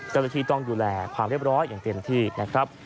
กรณีต้องดูแลความเรียบร้อยอย่างเตรียมที่นะครับ